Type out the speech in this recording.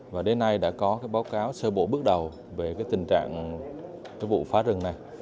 và đến nay đã có báo cáo sơ bộ bước đầu về tình trạng vụ phá rừng này